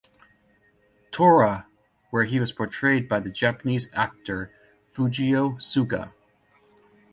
Tora!, where he was portrayed by the Japanese actor Fujio Suga.